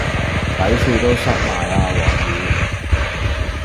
底褲都濕埋啊黃雨